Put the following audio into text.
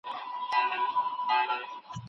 د بېلابېلو فقهي مذهبونو د فقهاوو نظر پدې اړه څه دی؟